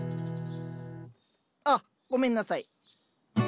あっごめんなさい。